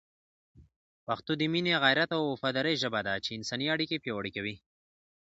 پښتو د مینې، غیرت او وفادارۍ ژبه ده چي انساني اړیکي پیاوړې کوي.